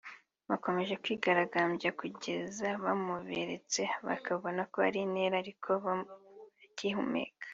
Bakomeje kwigaragambya kugeza bamuberetse bakabona ko ari intere ariko agihumeka